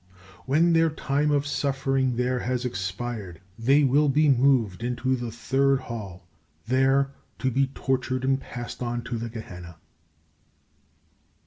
When their time of suffering there has expired, they will be moved into the Third Hall, there to be tortured and passed on to Gehenna.